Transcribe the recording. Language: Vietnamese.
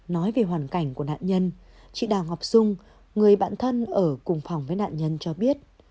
nói về hoàn cảnh của nạn nhân chị đào ngọc dung người bạn thân ở cùng phòng với nạn nhân cho biết